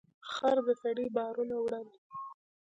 خر د سړي بارونه وړل.